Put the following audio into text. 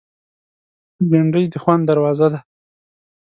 بېنډۍ د خوند دروازه ده